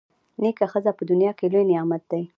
نېکه ښځه په دنیا کي لوی نعمت دی.